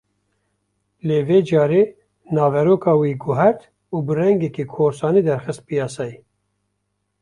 Lê vê carê naveroka wê guhert û bi rengekî korsanî derxist piyaseyê